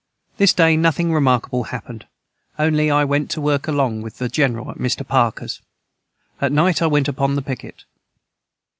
This day nothing remarkable hapned only I went to work along with the general at Mr. Parkers at night I went upon the piquet.